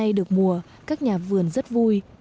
trong mùa các nhà vườn rất vui